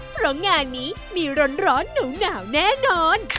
เพราะงานนี้มีร้อนหนาวแน่นอน